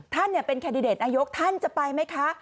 ท่านเป็นแคนดิเดตนายกท่านจะไปไหมคะ